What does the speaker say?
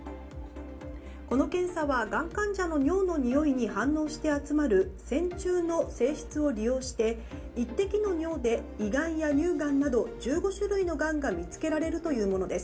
この検査は、がん患者の尿のにおいに反応して集まる線虫の性質を利用して１滴の量で胃がんや乳がんなど１５種類のがんが見つけられるというものです。